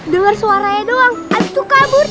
denger suaranya doang aku kabur